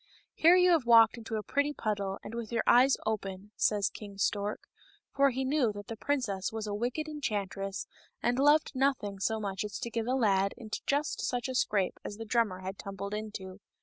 " Here you have walked into a pretty puddle, and with your eyes open," says King Stork, for he knew that the princess was a wicked enchantress, and loved nothing so much as to get a lad into just such a scrape as the drummer had tumbled into.